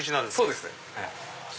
そうです。